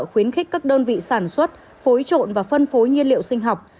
khuyến khích các đơn vị sản xuất phối trộn và phân phối nhiên liệu sinh học